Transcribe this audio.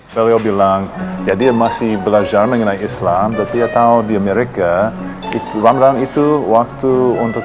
beliau bilang ya dia masih belajar mengenai islam tapi atau di amerika itu ramadhan itu waktu untuk